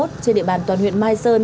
trên địa bàn toàn huyện mai sơn